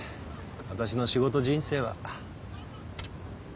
私の仕事人生は。